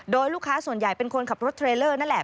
โดยลูกค้าส่วนใหญ่เป็นคนขับรถเทรลเลอร์นั่นแหละ